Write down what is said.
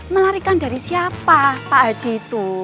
melarikan dari siapa pak haji itu